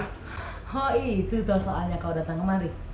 oh itu tuh soalnya kau datang kemari